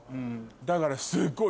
だからすごい。